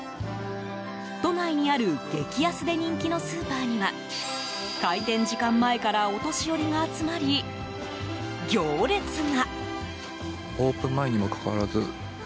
都内にある激安で人気のスーパーには開店時間前からお年寄りが集まり、行列が。